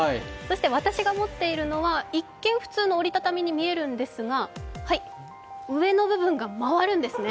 私が持っているのは一見普通の折り畳みに見えるんですが上の部分が回るんですね。